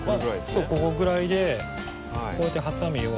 そうここぐらいでこうやってハサミを。